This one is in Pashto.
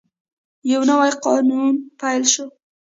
یو نوی قانون پلی شو.